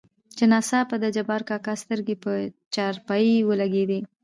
چې ناڅاپه دجبارکاکا سترګې په چارپايي ولګېدې.